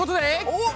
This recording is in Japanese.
おっ。